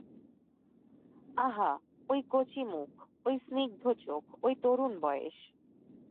আহা, ঐ কচি মুখ, ঐ স্নিগ্ধ চোখ, ঐ তরুণ বয়েস!